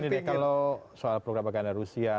ini deh kalau soal propaganda rusia